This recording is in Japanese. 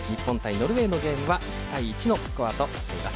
ノルウェーのゲームは１対１のスコアとなっています。